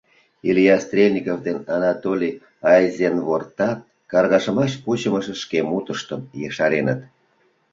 Илья Стрельников ден Анатолий Айзенвортат каргашымаш пучымышыш шке мутыштым ешареныт.